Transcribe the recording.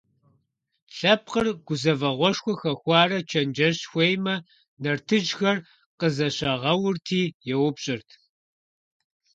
Лъэпкъыр гузэвэгъуэшхуэ хэхуарэ чэнджэщ хуеймэ, нартыжьхэр къызэщагъэурти еупщӀырт.